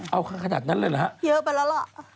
เอาขนาดนั้นเลยเหรอฮะเยอะไปแล้วล่ะ